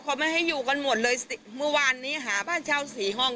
เขาไม่ให้อยู่กันหมดเลยเมื่อวานนี้หาบ้านเช่าสี่ห้อง